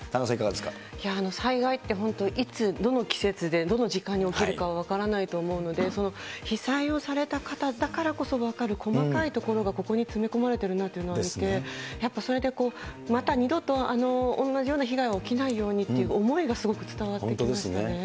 災害って本当、いつ、どの季節で、どの時間に起きるか分からないと思うので、被災をされた方だからこそ分かる細かいところがここに詰め込まれてるなと思うので、やっぱそれで、また二度とあの同じような被害が起きないようにという思いがすごく伝わってきましたね。